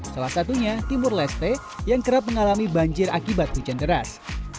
salah satunya timur leste yang kerap mengalami banjir akibat hujan deras